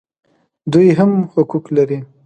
دوی هم حقوق لري